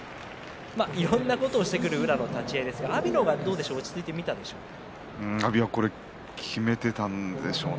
いろいろなことをしてくる宇良の立ち合いですが阿炎の方が落ち着いていたのでしょうか。